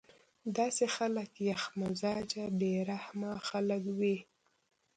داسې خلک يخ مزاجه بې رحمه خلک وي